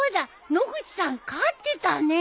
野口さん飼ってたね。